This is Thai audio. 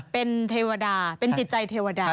เป็นเทวดาเป็นจิตใจเทวดา